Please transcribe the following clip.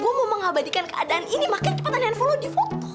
gue mau mengabadikan keadaan ini makanya cepetan handphone lo difoto